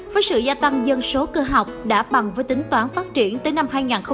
với sự gia tăng dân số cơ học đã bằng với tính toán phát triển tới năm hai nghìn ba mươi